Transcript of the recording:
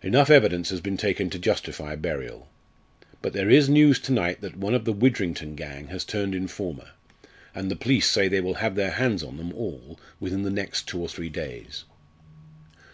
Enough evidence has been taken to justify burial. But there is news to night that one of the Widrington gang has turned informer, and the police say they will have their hands on them all within the next two or three days."